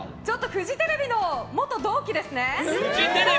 フジテレビの元同期ですね！